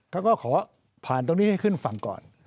เขาก็ขอผ่านตรงนี้ให้ขึ้นฝั่งก่อน